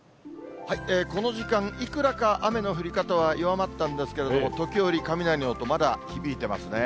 この時間、いくらか雨の降り方は弱まったんですけれども、時折、雷の音、まだ響いてますね。